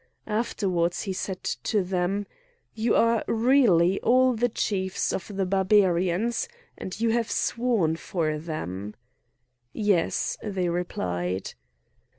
Afterwards he said to them: "You are really all the chiefs of the Barbarians, and you have sworn for them?" "Yes!" they replied.